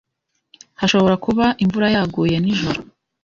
Hashobora kuba imvura yaguye nijoro.